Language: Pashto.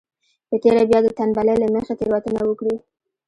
په تېره بيا د تنبلۍ له مخې تېروتنه وکړي.